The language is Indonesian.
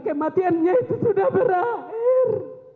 kematiannya itu sudah berakhir